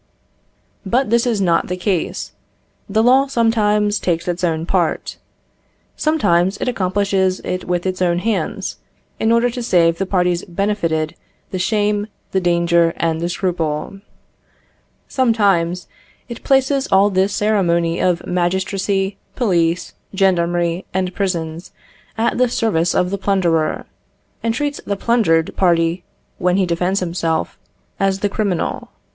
But this is not the case. The law sometimes takes its own part. Sometimes it accomplishes it with its own hands, in order to save the parties benefited the shame, the danger, and the scruple. Sometimes it places all this ceremony of magistracy, police, gendarmerie, and prisons, at the service of the plunderer, and treats the plundered party, when he defends himself, as the criminal.